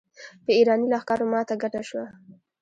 په اېراني لښکرو ماته ګډه شوه.